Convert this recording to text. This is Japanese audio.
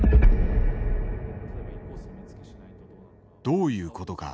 どういうことか。